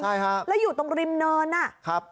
ใช่ฮะแล้วอยู่ตรงริมเนินอ่ะครับ